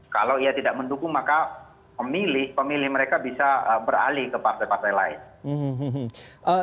kalau ia tidak mendukung maka pemilih pemilih mereka bisa beralih ke partai partai lain